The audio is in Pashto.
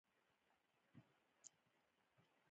افغانستان د یو واحد ملت په توګه د ټولو افغانانو ګډ کور دی.